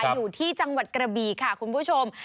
อยู่ที่จังหวัดกระบีค่ะคุณผู้ชม